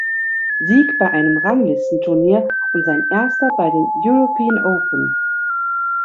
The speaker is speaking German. Sieg bei einem Ranglistenturnier und sein erster bei den European Open.